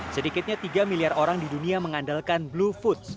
sedikitnya tiga miliar orang di dunia mengandalkan blue food